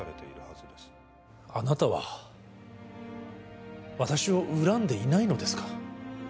あなたは、私を恨んでいないのですか？